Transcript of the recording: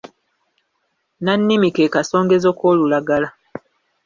Nnannimi ke kasongezo k’olulagala.